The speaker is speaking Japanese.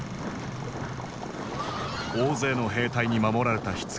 大勢の兵隊に守られたひつぎ。